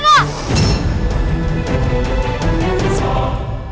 kaki kita tolongin aku kak